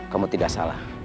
kamu tidak salah